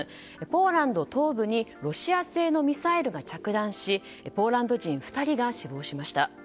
ポーランド東部にロシア製のミサイルが着弾しポーランド人２人が死亡しました。